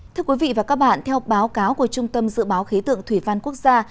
thưa quý vị và các bạn theo báo cáo của trung tâm dự báo khí tượng thủy văn quốc gia